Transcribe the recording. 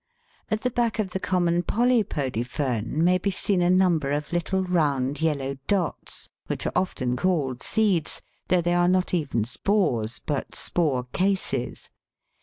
At the back of the common polypody fern may be seen a number of little round yellow dots, which are often called seeds, though they are not even spores, but spore cases.